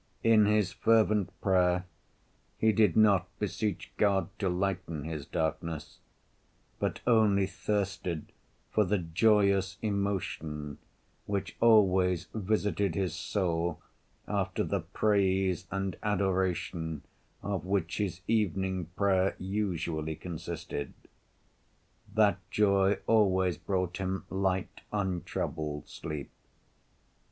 In his fervent prayer he did not beseech God to lighten his darkness but only thirsted for the joyous emotion, which always visited his soul after the praise and adoration, of which his evening prayer usually consisted. That joy always brought him light untroubled sleep.